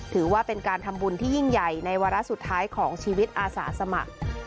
ถือว่าเป็นการทำบุญที่ยิ่งใหญ่ในวาระสุดท้ายของชีวิตอาสาสมัคร